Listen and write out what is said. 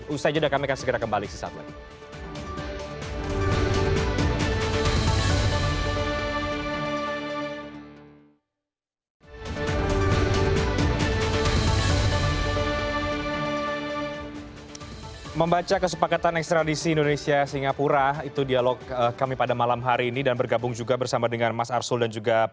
usai jeda kami akan segera kembali sesaat lain